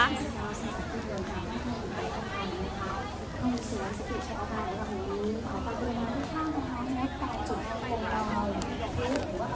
มากเลยค่ะ